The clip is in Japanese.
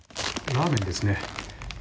ラーメンですね。